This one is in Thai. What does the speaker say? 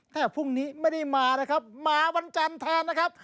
แต่พรุ่งนี้ไม่ได้มานะครับมาวันจันทร์แทนนะครับ